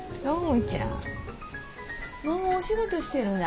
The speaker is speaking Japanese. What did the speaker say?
ママお仕事してるな。